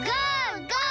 ゴー！